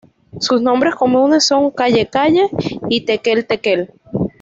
Sus nombres comunes son calle-calle y tequel-tequel.